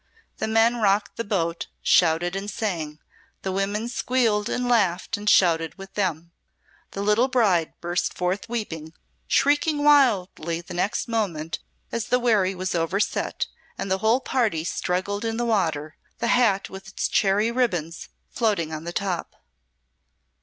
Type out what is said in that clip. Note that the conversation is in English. The men rocked the boat, shouted and sang, the women squealed and laughed and shouted with them; the little bride burst forth weeping, shrieking wildly the next moment as the wherry was overset, and the whole party struggled in the water, the hat, with its cherry ribbands, floating on the top.